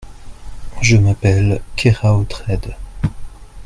Je m'appelle Keraotred.